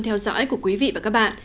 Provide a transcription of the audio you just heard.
theo dõi của quý vị và các bạn